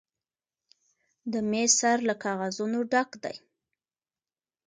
د میز سر له کاغذونو ډک دی.